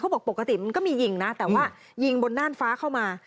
บอกปกติมันก็มียิงนะแต่ว่ายิงบนน่านฟ้าเข้ามา